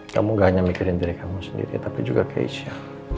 kamu gak hanya mikirin diri kamu sendiri tapi juga keisha